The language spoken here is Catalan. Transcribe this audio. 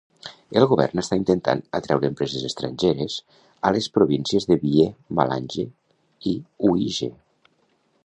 El govern està intentant atraure empreses estrangeres a les províncies de Bié, Malanje i Uíge.